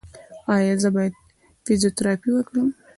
ایا زه باید فزیوتراپي وکړم؟